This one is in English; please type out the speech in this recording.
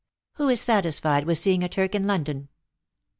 Who is satisfied with seeing a Turk in London